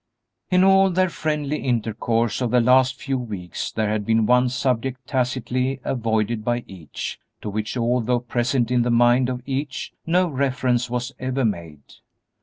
In all their friendly intercourse of the last few weeks there had been one subject tacitly avoided by each, to which, although present in the mind of each, no reference was ever made.